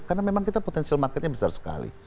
karena memang kita potensial marketnya besar sekali